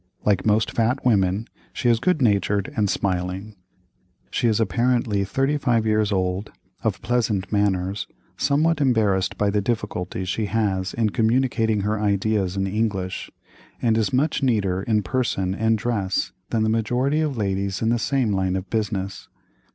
Like most fat women, she is good natured and smiling. She is apparently 35 years old, of pleasant manners, somewhat embarrassed by the difficulty she has in communicating her ideas in English, and is much neater in person and dress than the majority of ladies in the same line of business.